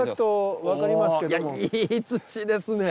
いやいい土ですね。